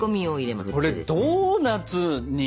これドーナツに。